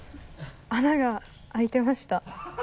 穴が開いてました。